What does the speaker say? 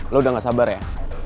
lo udah gak sabar ya